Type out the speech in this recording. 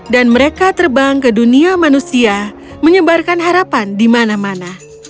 dan mereka terbang ke dunia manusia menyebarkan harapan di mana mana